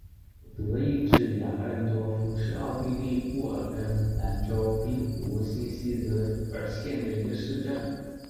德意志亚恩多夫是奥地利布尔根兰州滨湖新锡德尔县的一个市镇。